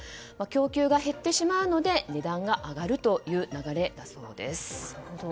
供給が減ってしまうので値段が上がるという流れだそうです。